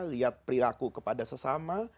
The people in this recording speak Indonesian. lihat perilaku kepada sesama